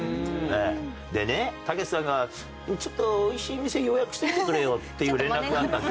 でねたけしさんが「ちょっと美味しい店予約しておいてくれよ」っていう連絡があった。